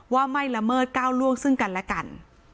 ว่าไม่ละเมิดก้าวล่วงซึ่งกันและกัน